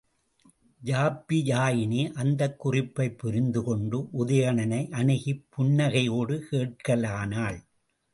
யாப்பியாயினி அந்தக் குறிப்பைப் புரிந்து கொண்டு உதயணனை அணுகிப் புன்னகையோடு கேட்கலானாள்.